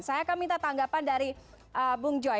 saya akan minta tanggapan dari bung joy